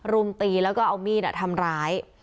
รุมตีแล้วก็เอามีดทำร้าย